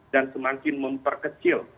dan semakin memperkecil